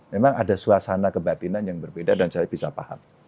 memang ada suasana kebatinan yang berbeda dan saya bisa paham